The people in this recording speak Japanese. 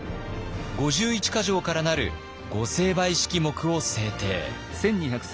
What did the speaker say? ５１か条からなる御成敗式目を制定。